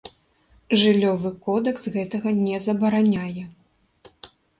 Жыллёвы кодэкс гэтага не забараняе.